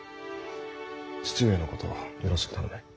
父上のことよろしく頼む。